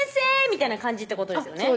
みたいな感じってことですよね